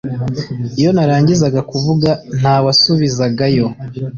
iyo narangizaga kuvuga, nta wasubizagayo